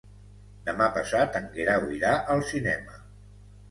Demà passat en Guerau irà al cinema.